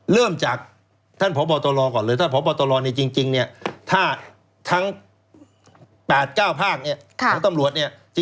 เริ่มจากท่านพบทลก่อนเลยท่านพบทลจริงถ้าทั้ง๘๙ภาคตำรวจ